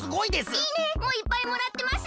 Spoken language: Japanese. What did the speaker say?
「いいね」もいっぱいもらってます。